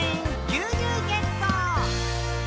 「牛乳ゲット！」